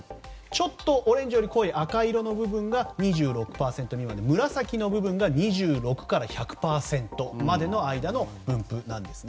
ちょっとオレンジより濃い赤色の部分が２６％未満で紫のところが２６から１００％の間の分布なんです。